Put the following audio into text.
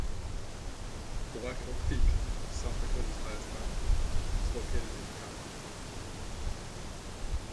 Black Elk Peak, South Dakota's highest mountain, is located in the county.